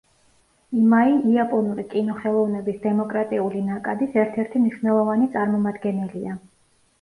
იმაი იაპონური კინოხელოვნების დემოკრატიული ნაკადის ერთ-ერთი მნიშვნელოვანი წარმომადგენელია.